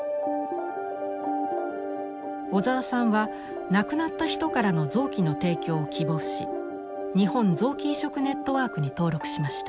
小沢さんは亡くなった人からの臓器の提供を希望し日本臓器移植ネットワークに登録しました。